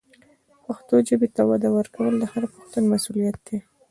پښتو ژبې ته وده ورکول د هر پښتون مسؤلیت دی.